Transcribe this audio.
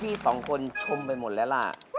พี่สองคนชมไปหมดแล้วล่ะ